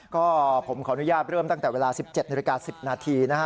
ก็ผมขออนุญาตเริ่มตั้งแต่เวลา๑๗๑๐นะฮะ